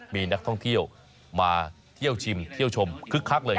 มีนักท่องเที่ยวมาเที่ยวชิมเที่ยวชมคึกคักเลย